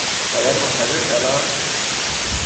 باید منتظر شوم؟